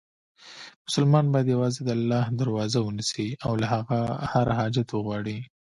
مسلمان باید یووازې د الله دروازه ونیسي، او له هغه هر حاجت وغواړي.